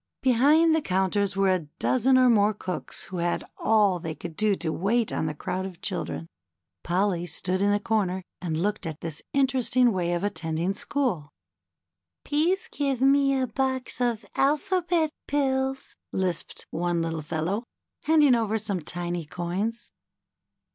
Behind the counters were a dozen or more cooks who had all they could do to wait on the crowd of children. Polly stood in a corner and looked at this interesting way of attend ing school. ^^Peese give me a box of Alphabet Pills,'' lisped one little fellow, handing over some tiny coins.